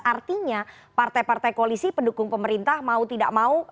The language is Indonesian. artinya partai partai koalisi pendukung pemerintah mau tidak mau